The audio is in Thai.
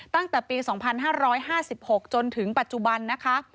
ตั้งแต่ปี๒๕๕๖จนถึงปัจจุบันนะคะ